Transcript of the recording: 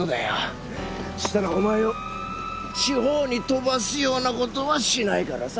そしたらお前を地方に飛ばすような事はしないからさ。